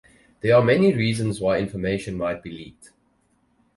There are many reasons why information might be leaked.